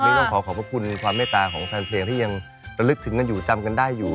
นี่ต้องขอขอบพระคุณความเมตตาของแฟนเพลงที่ยังระลึกถึงกันอยู่จำกันได้อยู่